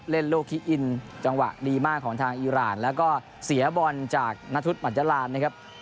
โลกคิอินจังหวะดีมากของทางอีรานแล้วก็เสียบอลจากนัทธุมหัจจรานนะครับ